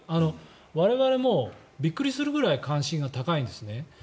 我々もびっくりするぐらい関心が高いんですね。